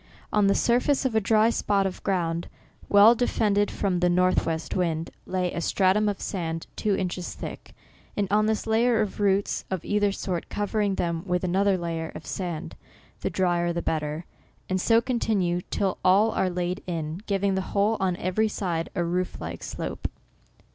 On the surface of a dry spot of ground, well defended from the northwest wind, lay a stratum of sand, two inches thick, and on this a layer of roots, of either sort, covering them with another layer of sand, (the drier the better) and so continue till all are laid in, giving the whole, on every side, a roof like slope.